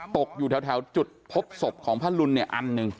ตกอยู่แถวจุดพบศพของพระรุนเนี่ยอันหนึ่ง